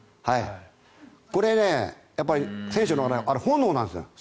これ、選手の本能なんですよ。